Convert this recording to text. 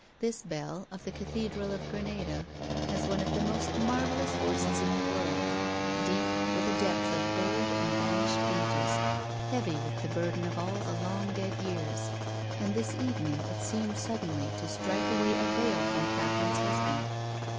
This bell of the Cathedral of Granada has one of the most marvellous voices in the world, deep with a depth of old and van ished ages, heavy with the burden of all the long dead years, and this evening it seemed sud denly to strike away a veil from Catherine's husband.